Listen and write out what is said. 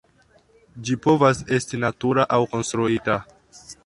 Ĝi povas esti natura aŭ konstruita.